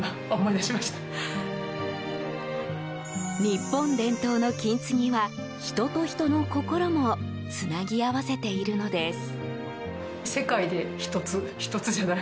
日本伝統の金継ぎは人と人の心もつなぎ合わせているのです。